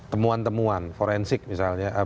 temuan temuan forensik misalnya